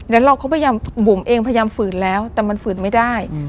แล้วเราก็พยายามบุ๋มเองพยายามฝืนแล้วแต่มันฝืนไม่ได้